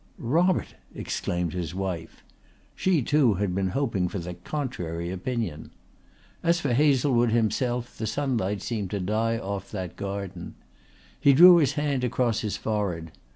"Robert!" exclaimed his wife. She too had been hoping for the contrary opinion. As for Hazlewood himself the sunlight seemed to die off that garden. He drew his hand across his forehead.